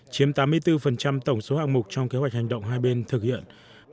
chiếm tám mươi bốn tổng số hạng mục trong kế hoạch hành động hai bên thực hiện